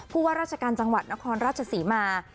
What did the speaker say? ว่าราชการจังหวัดนครราชศรีมา